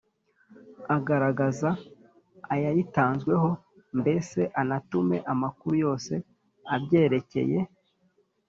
agaragaze ayayitanzweho, mbese anatume amakuru yose abyerekeye